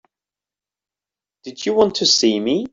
Did you want to see me?